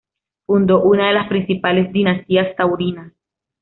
Fundó una de las principales dinastías taurinas.